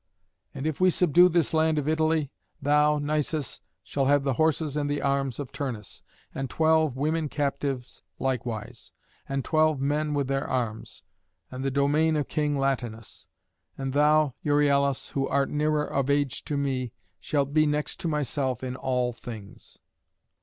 And if we subdue this land of Italy, thou, Nisus, shalt have the horses and the arms of Turnus, and twelve women captives likewise, and twelve men with their arms, and the domain of King Latinus. And thou, Euryalus, who art nearer of age to me, shalt be next to myself in all things."